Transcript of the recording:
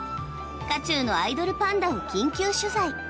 渦中のアイドルパンダを緊急取材。